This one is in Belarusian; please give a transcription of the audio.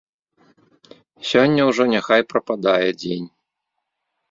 Сёння ўжо няхай прападае дзень.